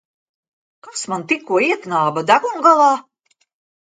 Kas man tikko ieknāba degungalā?